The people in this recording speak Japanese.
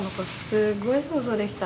すっごい想像できた。